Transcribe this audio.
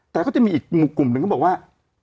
แต่เขาจะมีอีกกลุ่มหนึ่งเขาบอกว่า